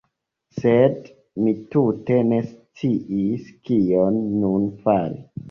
Sed mi tute ne sciis, kion nun fari.